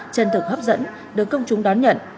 chân thực hấp dẫn được công chúng đón nhận